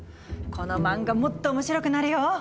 この漫画もっと面白くなるよ。